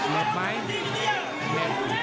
เห็นไหมเย็น